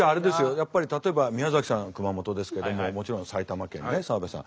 やっぱり例えば宮崎さん熊本ですけどももちろん埼玉県ね澤部さん。